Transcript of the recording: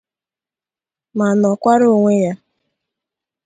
ma nọkwara onwe ya.